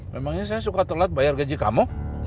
memangnya saya suka telat bayar gaji kamu